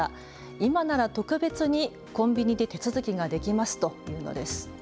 今なら特別にコンビニで手続きができますと言うのです。